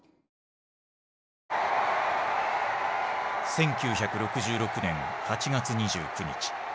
１９６６年８月２９日。